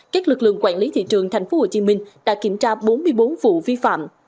các lực lượng quản lý thị trường tp hcm đã kiểm tra bốn mươi bốn vụ vi phạm